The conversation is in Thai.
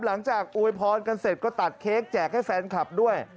อวยพรกันเสร็จก็ตัดเค้กแจกให้แฟนคลับด้วย